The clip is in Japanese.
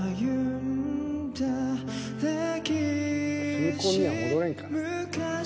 新婚には戻れんから。